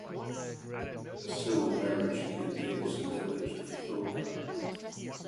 The civil parish contains the village of Kilcar.